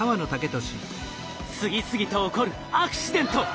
次々と起こるアクシデント。